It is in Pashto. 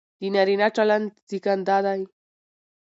د نارينه چلن زېږنده دى،